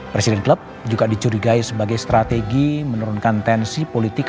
presiden klub juga dicurigai sebagai strategi menurunkan tensi politik